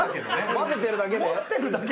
・混ぜてるだけで？